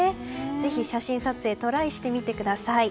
ぜひ写真撮影トライしてみてください。